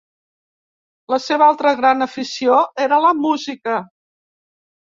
La seva altra gran afició era la música.